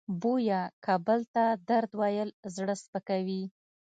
بویه که بل ته درد ویل زړه سپکوي.